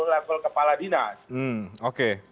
level kepala dinas